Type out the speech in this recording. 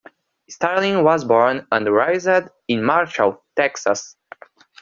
Starling was born and raised in Marshall, Texas.